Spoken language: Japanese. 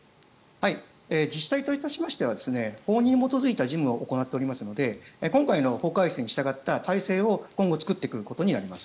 自治体といたしましては法に基づいた事務を行っていますので今回の法改正に従った体制を今後作っていくことになります。